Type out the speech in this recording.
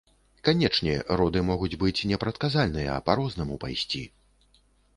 Канечне, роды могуць быць непрадказальныя, па рознаму пайсці.